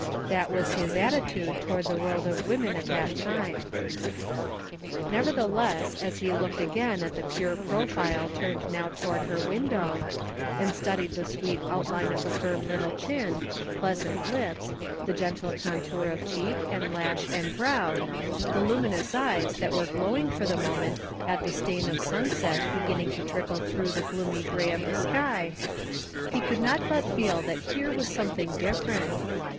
That was his attitude toward the world of women at that time. Nevertheless as he looked again at the pure profile ttimed now toward her window, and studied the sweet outline of the firm little chin, pleasant lips, the gentle contour of cheek and lash and brow, the luminous eyes that were glowing for the moment at the stain of sunset beginning to trickle through the gloomy gray of the sky, he could not but feel that here was something different.